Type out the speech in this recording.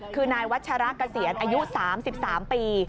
คือนายวัชระเกษียณอายุ๓๓ปี